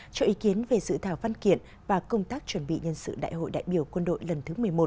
cho ý kiến về dự thảo văn kiện và công tác chuẩn bị nhân sự đại hội đại biểu quân đội lần thứ một mươi một